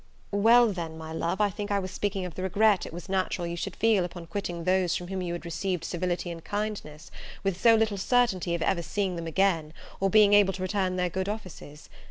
"Well, then, my love, I think I was speaking of the regret it was natural you should feel upon quitting those from whom you had received civility and kindness, with so little certainty of ever seeing them again, or being able to return their good offices.